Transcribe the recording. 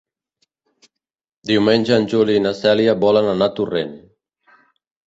Diumenge en Juli i na Cèlia volen anar a Torrent.